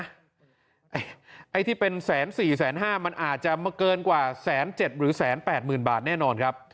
ใครที่เป็นแสนสี่แสนห้ามันอาจจะเกินกว่าแสนเจ็ดหรือแสนแปดหมื่นบาทแน่นอนครับ